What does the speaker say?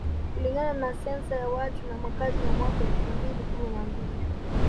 Kulingana na Sensa ya watu na makazi ya mwaka elfu mbili kumi na mbili